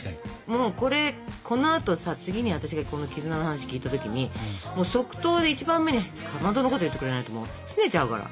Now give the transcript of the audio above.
もうこのあとさ次に私がこの絆の話聞いた時にもう即答で一番目にかまどのこと言ってくれないとすねちゃうから。